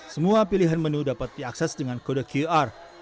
semua pilihan menu dapat diakses dengan kode qr